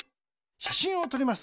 しゃしんをとります。